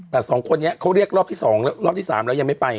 แต่สองคนนี้เขาเรียกรอบที่๒รอบที่๓แล้วยังไม่ไป